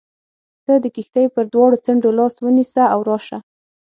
ته د کښتۍ پر دواړو څنډو لاس ونیسه او راشه.